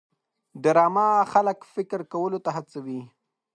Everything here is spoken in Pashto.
ډرامه خلک فکر کولو ته هڅوي